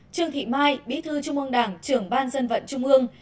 trương thị mai bí thư trung ương đảng trưởng ban dân vận trung ương